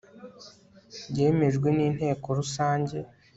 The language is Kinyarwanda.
yemejwe n'inteko rusange